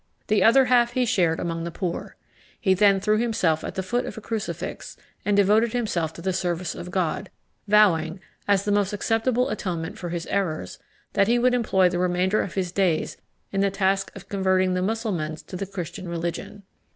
The other half he shared among the poor. He then threw himself at the foot of a crucifix, and devoted himself to the service of God, vowing, as the most acceptable atonement for his errors, that he would employ the remainder of his days in the task of converting the Mussulmans to the Christian religion.